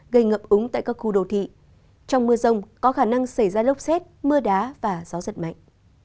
gây ngập úng tại các khu đồ thị trong mưa rông có khả năng xảy ra lốc xét mưa đá và gió giật mạnh